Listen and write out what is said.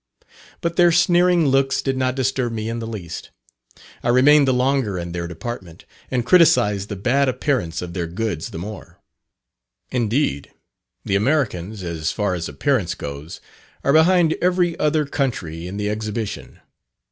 But their sneering looks did not disturb me in the least. I remained the longer in their department, and criticised the bad appearance of their goods the more. Indeed, the Americans, as far as appearance goes, are behind every other country in the Exhibition.